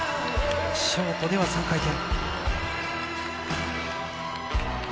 ショートでは３回転。